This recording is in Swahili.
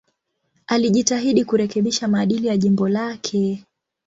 Alijitahidi kurekebisha maadili ya jimbo lake.